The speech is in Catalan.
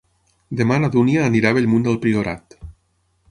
Demà na Dúnia anirà a Bellmunt del Priorat.